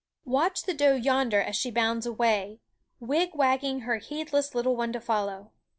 Watch the doe yonder as she bounds away, wigwagging her heedless little one to follow.